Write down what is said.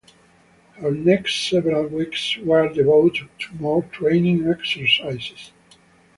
Her next several weeks were devoted to more training exercises.